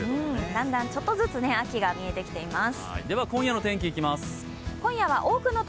だんだん、ちょっとずつ秋が見えてきています。